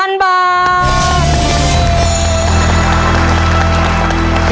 ยาย